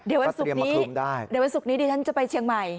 เดี๋ยววันศุกร์นี้ดิฉันจะไปเชียงใหม่